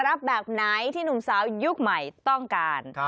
แบบไหนที่หนุ่มสาวยุคใหม่ต้องการ